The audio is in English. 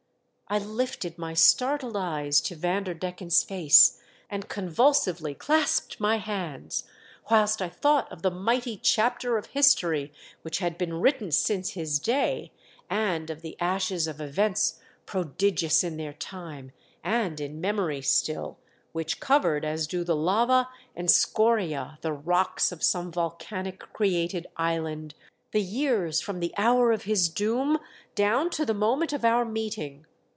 I lifted my startled eyes to Vanderdecken's face and convulsively clasped my hands, whilst I thought of the mighty chapter of I 114 ^^^ DEATH SHIP. history which had been written since his day, and of the ashes of events prodigious in their time, and in memory still, which covered — as do the lava and scoriae the rocks of some volcanic created island — the years from the hour of his doom down to the moment of our meeting.